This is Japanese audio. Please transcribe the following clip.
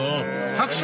拍手！